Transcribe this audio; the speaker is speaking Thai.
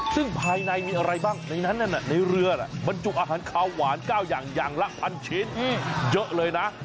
ซึ่งภายในมีอะไรบ้างในนั้นในเรือบรรจุอาหารขาวหวาน๙อย่างอย่างละ๑๐๐ชิ้นเยอะเลยนะ